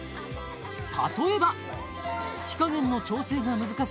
例えば火加減の調整が難しい肉じゃがも